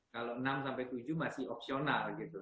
kalau enam sampai tujuh masih opsional gitu